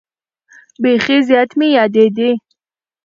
بیخي زیات مې یادېدې.